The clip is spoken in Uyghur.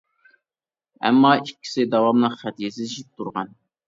ئەمما ئىككىسى داۋاملىق خەت يېزىشىپ تۇرغان.